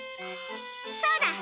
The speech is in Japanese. そうだ！